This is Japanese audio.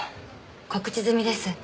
告知済みです。